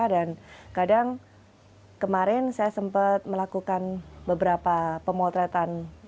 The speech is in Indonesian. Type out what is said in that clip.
dan kadang kemarin saya sempat melakukan beberapa pemotretan